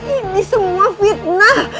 ini semua fitnah